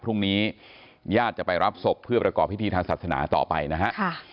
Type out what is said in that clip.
พรุ่งนี้ญาติจะไปรับศพเพื่อประกอบพิธีทางศาสนาต่อไปนะฮะ